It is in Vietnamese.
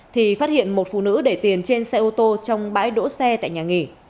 thì phát hiện một phụ nữ để tiền trên xe ô tô trong bãi đỗ xe tại nhà nghỉ